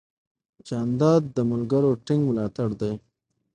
جانداد د ملګرو ټینګ ملاتړ دی.